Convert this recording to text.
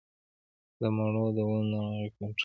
د مڼو د ونو ناروغي کنټرول شوه؟